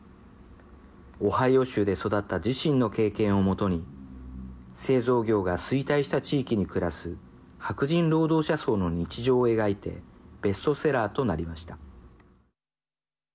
オハイオ州で育った自身の経験をもとに製造業が衰退した地域に暮らす白人労働者層の日常を描いてベストセラーとなりました。